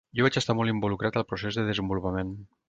Jo vaig estar molt involucrat al procés de desenvolupament.